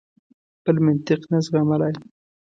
بل منطق نه زغملای.